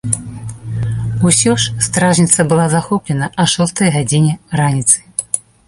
Усё ж стражніца была захоплена а шостай гадзіне раніцы.